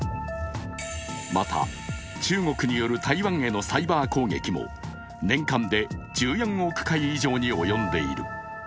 また、中国による台湾へのサイバー攻撃も年間で１４億回以上に及んでいる。